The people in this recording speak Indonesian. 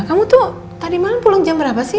kamu tuh tadi malam pulang jam berapa sih